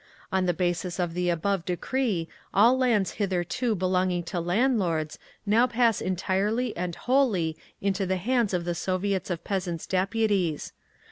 On the basis of the above decree all lands hitherto belonging to landlords now pass entirely and wholly into the hands of the Soviets of Peasants' Deputies.